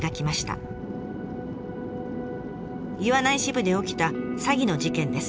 岩内支部で起きた詐欺の事件です。